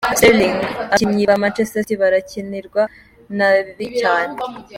Sterling: Abakinyi ba Manchester City barakinirwa nabi cane.